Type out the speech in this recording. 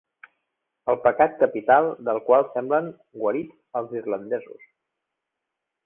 El pecat capital del qual semblen guarits els irlandesos.